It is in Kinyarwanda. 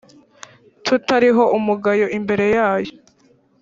tutariho umugayo imbere yayo.